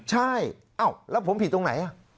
ใช่แล้วผมผิดตรงไหน